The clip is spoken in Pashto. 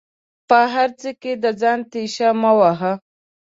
په هر څه کې د ځان تيشه مه وهه